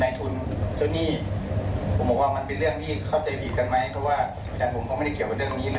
ทุนเจ้าหนี้ผมบอกว่ามันเป็นเรื่องที่เข้าใจดีกันไหมเพราะว่าแต่ผมก็ไม่ได้เกี่ยวกับเรื่องนี้เลย